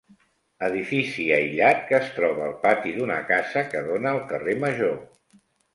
Edifici aïllat que es troba al pati d'una casa que dóna al carrer Major.